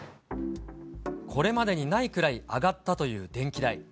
これまでにないくらい上がったという電気代。